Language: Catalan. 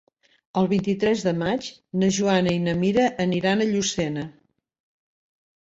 El vint-i-tres de maig na Joana i na Mira aniran a Llucena.